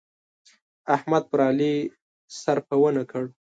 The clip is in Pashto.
احمد پر علي سرپه و نه کړه.